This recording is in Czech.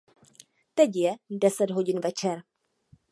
Teď je deset hodin večer.